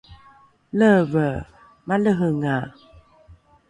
leeve malehenga!